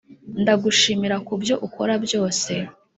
ndagushimira kubyo ukora byose,